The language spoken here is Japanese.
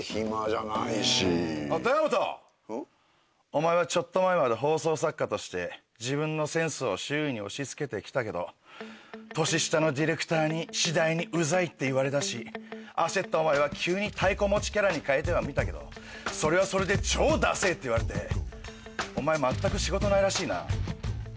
お前はちょっと前まで放送作家として自分のセンスを周囲に押し付けて来たけど年下のディレクターに次第にウザいって言われだし焦ったお前は急にたいこ持ちキャラに変えてはみたけどそれはそれで超ダセェって言われてお前全く仕事ないらしいな？